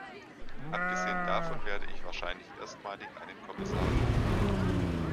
Abgesehen davon werde ich wahrscheinlich erstmalig einen Kommissar loben.